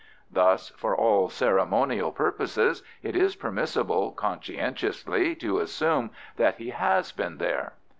Thus, for all ceremonial purposes, it is permissible conscientiously to assume that he HAS been there."